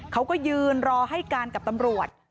เขาก็ยืนรอให้การกับตำรวจ